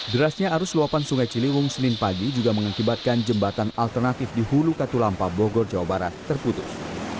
derasnya arus luapan sungai ciliwung senin pagi juga mengakibatkan jembatan alternatif di hulu katulampa bogor jawa barat terputus